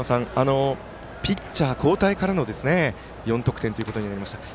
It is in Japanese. ピッチャー交代からの４得点ということになりました。